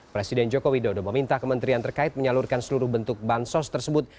presiden joko widodo meminta kementerian terkait menyalurkan seluruh bentuk bansos tersebut